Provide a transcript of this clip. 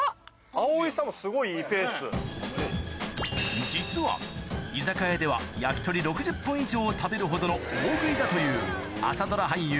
・葵さんもすごいいいペース・実は居酒屋では以上を食べるほどの大食いだという朝ドラ俳優